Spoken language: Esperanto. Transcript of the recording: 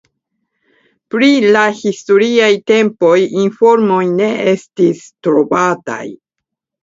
Pri la historiaj tempoj informoj ne estis trovataj.